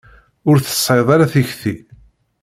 Ur tesεiḍ ara tikti.